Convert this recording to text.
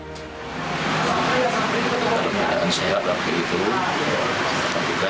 tidak ada tugasnya